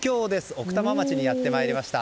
奥多摩町にやってまいりました。